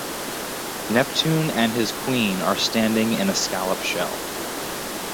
Neptune and his queen are standing in a scallop shell.